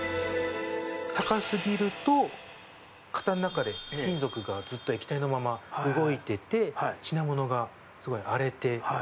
高すぎると型の中で金属がずっと液体のまま動いてて品物が荒れて。